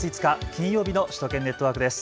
金曜日の首都圏ネットワークです。